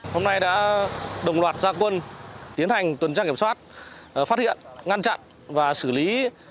hôm nay đã đồng loạt gia quân tiến hành tuần tra kiểm soát phát hiện ngăn chặn và xử lý